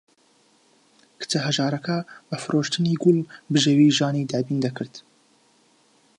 کچە هەژارەکە بە فرۆشتنی گوڵ بژێوی ژیانی دابین دەکرد.